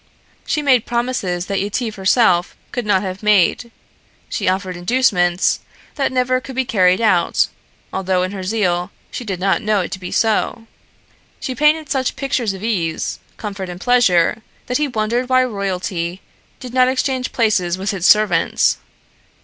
She made promises that Yetive herself could not have made; she offered inducements that never could be carried out, although in her zeal she did not know it to be so; she painted such pictures of ease, comfort and pleasure that he wondered why royalty did not exchange places with its servants.